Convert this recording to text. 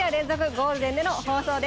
ゴールデンでの放送です。